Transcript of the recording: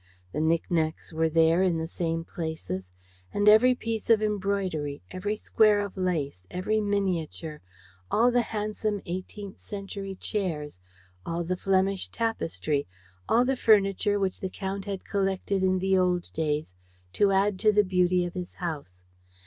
The knickknacks were there, in the same places, and every piece of embroidery, every square of lace, every miniature, all the handsome eighteenth century chairs, all the Flemish tapestry, all the furniture which the Count had collected in the old days to add to the beauty of his house.